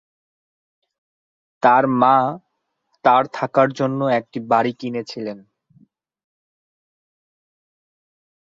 তার মা তার থাকার জন্য একটি বাড়ি কিনেছিলেন।